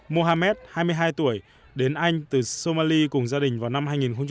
mohammed hai mươi hai tuổi đến anh từ somali cùng gia đình vào năm hai nghìn bảy